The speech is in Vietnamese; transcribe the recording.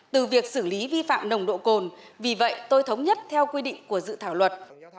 từ việc xử lý vi phạm nồng độ cồn vì vậy tôi thống nhất theo quy định của dự thảo luật